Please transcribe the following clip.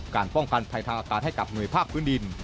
ป้องกันภัยทางอากาศให้กับหน่วยภาคพื้นดิน